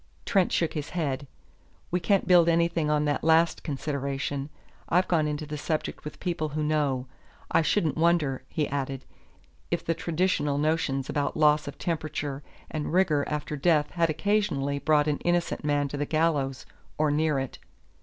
Trent shook his head. "We can't build anything on that last consideration. I've gone into the subject with people who know. I shouldn't wonder," he added, "if the traditional notions about loss of temperature and rigor after death had occasionally brought an innocent man to the gallows, or near it.